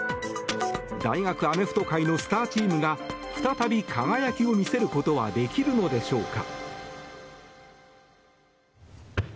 大学アメフト界のスターチームが再び輝きを見せることはできるのでしょうか。